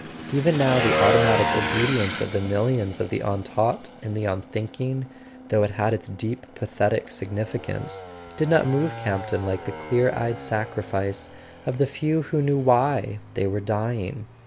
Even now, the automatic obedience of the millions of the untaught and the unthinking, though it had its deep pathetic significance, did not move Campton like the clear eyed sacrifice of the few who knew why they were dying.